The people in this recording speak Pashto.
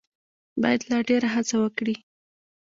باید لا ډېره هڅه وکړي.